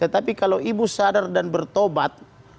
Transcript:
tetapi kalau ibu sadar dan bertobat